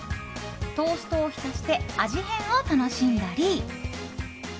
トーストを浸して味変を楽しんだり。